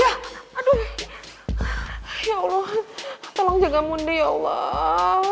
ya allah tolong jaga mondi ya allah